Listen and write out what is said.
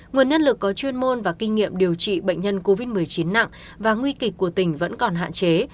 nguồn nhân lực có chuyên môn và kinh nghiệm điều trị bệnh nhân covid một mươi chín nặng và nguy kịch của tỉnh vẫn còn hạn chế